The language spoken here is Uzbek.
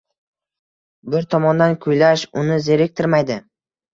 Bir tomondan kuylash uni zeriktirmaydi.